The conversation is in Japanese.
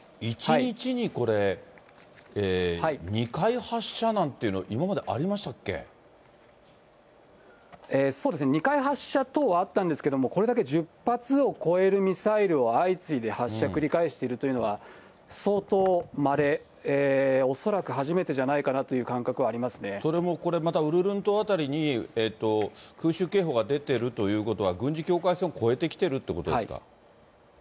１日にこれ、２回発射なんていうの、そうですね、２回発射等はあったんですけど、これだけ１０発を超えるミサイルを相次いで発射繰り返しているというのは、相当まれ、恐らく初めてじゃないかなという感覚はありそれもこれ、またウルルン島辺りに、空襲警報が出てるということは、軍事境界そのとおりですね。